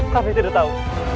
kami tidak tahu